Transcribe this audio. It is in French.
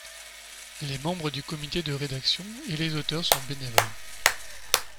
Les membres du comité de rédaction et les auteurs sont bénévoles.